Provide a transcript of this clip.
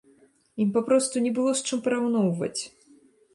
Ім папросту не было з чым параўноўваць!